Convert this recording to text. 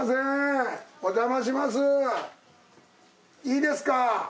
いいですか？